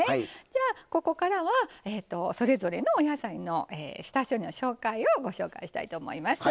じゃあここからはそれぞれのお野菜の下処理の紹介をご紹介したいと思います。